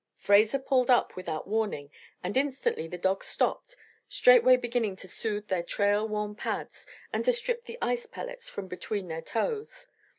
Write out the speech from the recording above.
Fraser pulled up without warning and instantly the dogs stopped, straightway beginning to soothe their trail worn pads and to strip the ice pellets from between their toes.